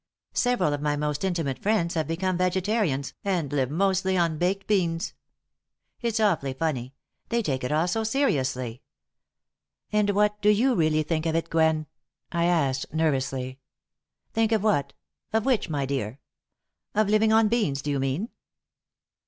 Several of my most intimate friends have become vegetarians and live mostly on baked beans. It's awfully funny they take it all so seriously." "And what do you really think of it, Gwen?" I asked, nervously. "Think of what, of which, my dear? Of living on beans, do you mean?"